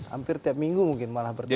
hampir tiap minggu mungkin malah berdiri